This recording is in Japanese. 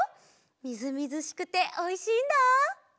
みずみずしくておいしいんだ。